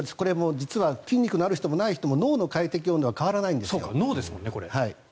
実は筋肉のある人もない人も脳の快適温度は変わらないんです。